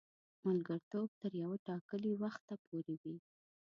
ملګرتوب تر یوه ټاکلي وخته پوري وي.